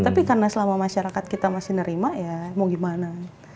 tapi karena selama masyarakat kita masih nerima ya mau gimana